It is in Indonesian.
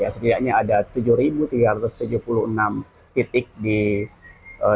setidaknya ada tujuh tiga ratus tujuh puluh enam titik panas